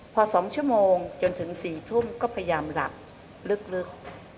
พอ๒ชั่วโมงจนถึง๔ทุ่มก็พยายามหลับลึก